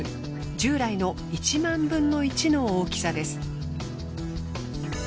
従来の１万分の１の大きさです。